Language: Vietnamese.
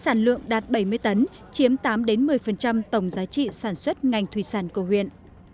sản lượng đạt bảy mươi tấn chiếm tám một mươi tổng giá trị sản xuất ngành thủy sản của huyện